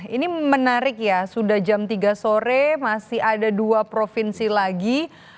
ini menarik ya sudah jam tiga sore masih ada dua provinsi lagi